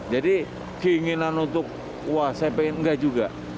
jadi keinginan untuk wah saya pengen enggak juga